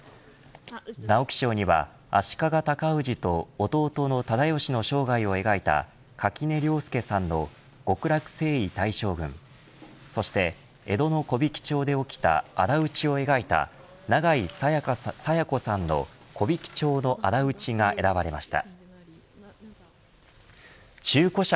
直木賞には足利尊氏と弟の直義を描いた垣根涼介さんの極楽征夷大将軍そして江戸の木挽町で起きたあだ討ちを描いた永井紗耶子さんの木挽町のあだ討ちが選ばれました。